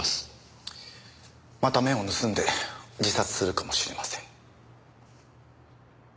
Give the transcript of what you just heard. また目を盗んで自殺するかもしれません。